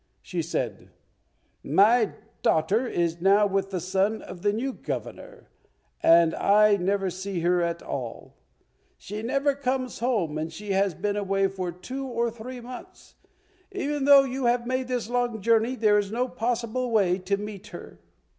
She said, "My daughter is now with the son of the new Governor, and I never see her at all; she never comes home, and she has been away for two or three months. Even though you have made this long journey there is no possible way to meet her."